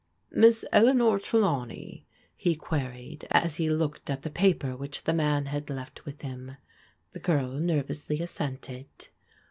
" Miss Eleanor Trelawney?" he queried as he looked at the paper which the man had left with him. The girl nervously assented.